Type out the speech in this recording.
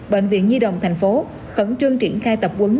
bệnh viện nhi đồng tp khẩn trương triển khai tập quấn